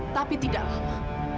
tapi tidak lama